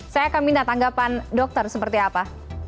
saya akan minta tanggapan dokter seperti apa